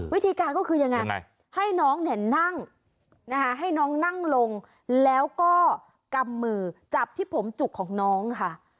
วิธีการก็คือยังไงให้น้องเนี่ยนั่งนะคะให้น้องนั่งลงแล้วก็กำมือจับที่ผมจุกของน้องค่ะ